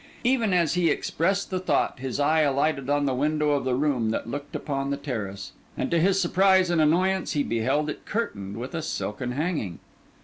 Even as he expressed the thought, his eye alighted on the window of the room that looked upon the terrace; and to his surprise and annoyance, he beheld it curtained with a silken hanging.